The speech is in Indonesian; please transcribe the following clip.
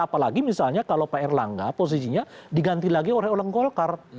apalagi misalnya kalau pak erlangga posisinya diganti lagi oleh orang golkar